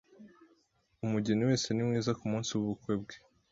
Umugeni wese ni mwiza kumunsi wubukwe bwe.